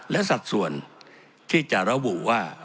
และสัดส่วนที่จะระบุว่า